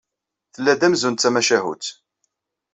Tella-d amzun d tamacahut.